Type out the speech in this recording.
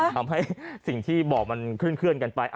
ทำให้สิ่งที่บอกมันเคลื่อนกันไป